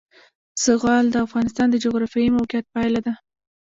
زغال د افغانستان د جغرافیایي موقیعت پایله ده.